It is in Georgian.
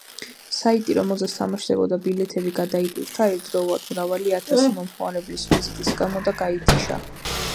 საიტი, რომელზეც თამაშდებოდა ბილეთები, გადაიტვირთა ერთდროულად მრავალი ათასი მომხმარებლის ვიზიტის გამო და გაითიშა.